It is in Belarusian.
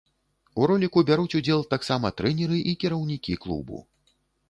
У роліку бяруць удзел таксама трэнеры і кіраўнікі клубу.